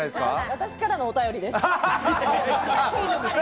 私からのお便りです。